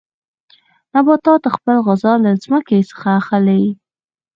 نباتات خپله غذا له ځمکې څخه اخلي.